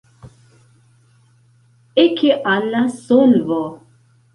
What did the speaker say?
Eke al la solvo!